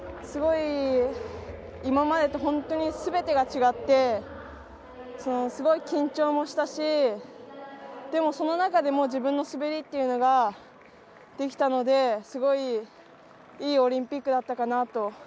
すごい、今まで本当に全てが違ってすごい緊張もしたし、でもその中でも自分の滑りっていうのができたのですごいいいオリンピックだったかなと。